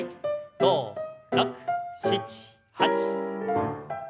５６７８。